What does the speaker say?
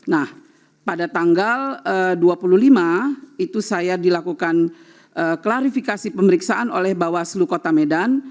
nah pada tanggal dua puluh lima itu saya dilakukan klarifikasi pemeriksaan oleh bawaslu kota medan